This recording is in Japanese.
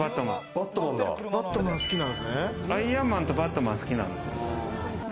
アイアンマンとバットマンが好きなんです。